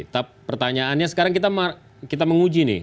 tapi pertanyaannya sekarang kita menguji nih